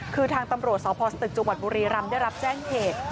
คือทางตำรวจสพสตึกจังหวัดบุรีรำได้รับแจ้งเหตุ